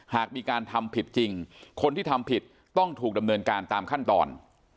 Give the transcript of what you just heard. หากมีการทำผิดจริงคนที่ทำผิดต้องถูกดำเนินการตามขั้นตอน